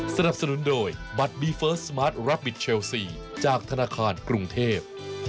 สนับสนุนโดยบัตรบีเฟิร์สสมาร์ทรับบิทเชลซีจากธนาคารกรุงเทพ